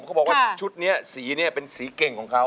เขาบอกว่าชุดนี้สีเนี่ยเป็นสีเก่งของเขา